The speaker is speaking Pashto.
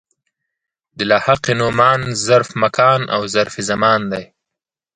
د لاحقې نومان ظرف مکان او ظرف زمان دي.